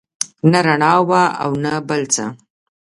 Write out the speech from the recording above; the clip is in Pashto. نه رڼا وه او نه بل څه.